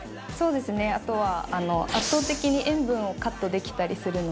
あとは圧倒的に塩分をカットできたりするので。